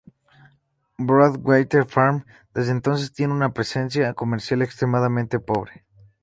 Broadwater Farm, desde entonces, tiene una presencia comercial extremadamente pobre.